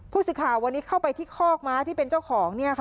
ผู้สื่อข่าววันนี้เข้าไปที่คอกม้าที่เป็นเจ้าของ